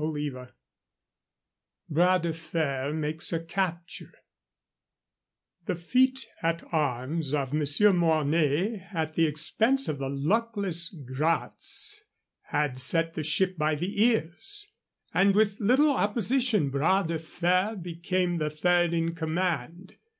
CHAPTER X BRAS DE FER MAKES A CAPTURE The feat at arms of Monsieur Mornay at the expense of the luckless Gratz had set the ship by the ears, and with little opposition Bras de Fer became the third in command.